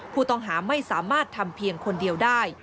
ผู้ต้องหาไม่สามารถทำเพียงคนเดียวได้